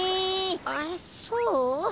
あっそう？